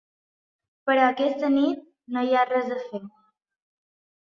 Però aquesta nit no hi ha res a fer.